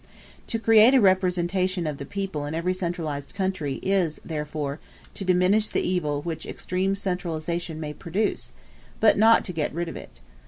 To create a representation of the people in every centralized country, is therefore, to diminish the evil which extreme centralization may produce, but not to get rid of it.